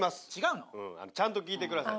うんちゃんと聞いてください。